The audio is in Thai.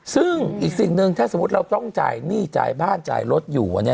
ซึ่งอีกสิ่งหนึ่งถ้าสมมุติเราต้องจ่ายหนี้จ่ายบ้านจ่ายรถอยู่